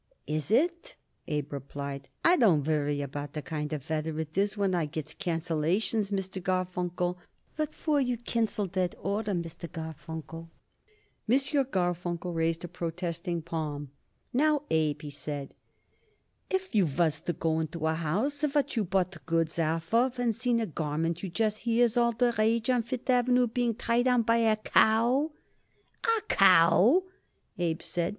"Is it?" Abe replied. "I don't worry about the kind of weather it is when I gets cancelations, Mr. Garfunkel. What for you cancel that order, Mr. Garfunkel?" M. Garfunkel raised a protesting palm. "Now, Abe," he said, "if you was to go into a house what you bought goods off of and seen a garment you just hear is all the rage on Fifth Avenue being tried on by a cow " "A cow!" Abe said.